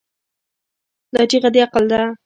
دا چیغه د عقل ده.